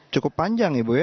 cukup panjang ibu ya